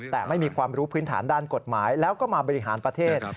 แต่ไม่มีความรู้พื้นฐานด้านกฎหมายแล้วก็มาบริหารประเทศ